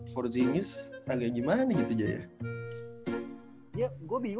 porzingis ada gimana gitu jaya